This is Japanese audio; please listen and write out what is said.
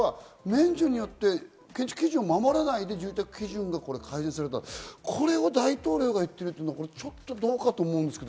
建築基準を守らないで住宅基準が改善された、これを大統領が言っているのはどうかと思うんですけど。